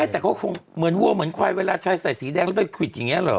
ไม่แต่ก็คงเหมือนวัวเหมือนไขวเวลาใช่สีแดงไปขวิดอย่างนี้หรอ